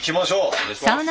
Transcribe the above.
お願いします。